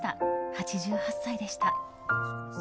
８８歳でした。